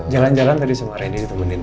jalan jalan tadi sama rendy ditemenin